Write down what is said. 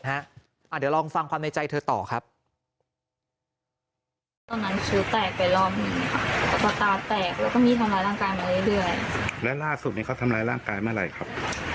เดี๋ยวลองฟังความในใจเธอต่อครับ